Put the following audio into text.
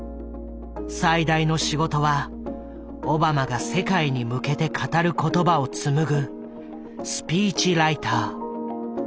最大の仕事はオバマが世界に向けて語る言葉を紡ぐスピーチライター。